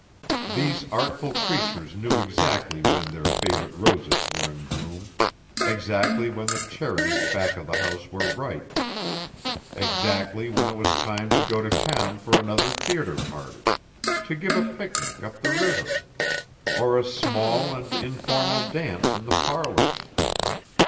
These artful creatures knew exactly when their favorite roses were in bloom, exactly when the cherries back of the house were ripe, exactly when it was time to go to town for another theatre party, to give a picnic up the river, or a small and informal dance in the parlors.